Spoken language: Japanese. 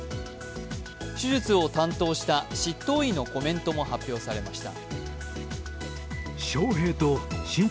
手術を担当した執刀医のコメントも発表されました。